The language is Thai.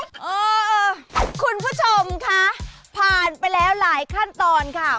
เออคุณผู้ชมค่ะผ่านไปแล้วหลายขั้นตอนค่ะ